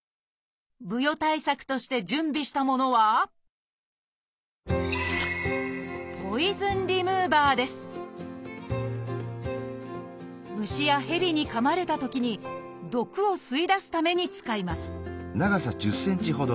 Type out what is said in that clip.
ブヨ対策として準備したものは虫やヘビにかまれたときに毒を吸い出すために使います